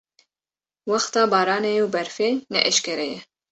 wexta baranê û berfê ne eşkereye.